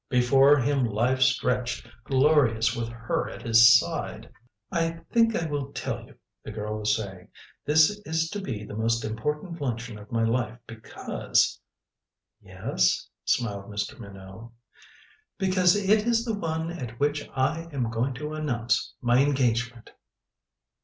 Before him life stretched, glorious, with her at his side "I think I will tell you," the girl was saying. "This is to be the most important luncheon of my life because " "Yes?" smiled Mr. Minot "Because it is the one at which I am going to announce my engagement!"